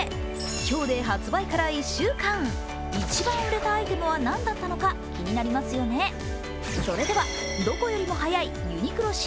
今日で発売から１週間、一番売れたアイテムは何だったのか、気になりますよね、それではどこよりも早いＵＮＩＱＬＯ：Ｃ